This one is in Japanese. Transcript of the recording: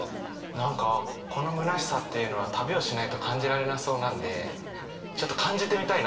何かこの「虚しさ」っていうのは旅をしないと感じられなそうなんでちょっと感じてみたいなって。